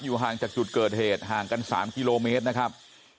ห่างจากจุดเกิดเหตุห่างกัน๓กิโลเมตรนะครับ